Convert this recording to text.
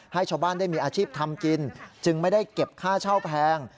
ให้ชาวบ้านได้มีอาชีพทำกินจึงไม่ได้เก็บค่าเช่าแพง